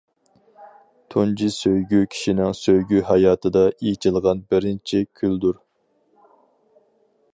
تۇنجى سۆيگۈ كىشىنىڭ سۆيگۈ ھاياتىدا ئېچىلغان بىرىنچى گۈلدۇر.